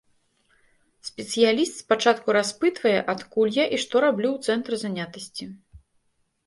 Спецыяліст спачатку распытвае, адкуль я і што раблю ў цэнтры занятасці.